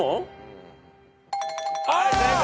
はい正解。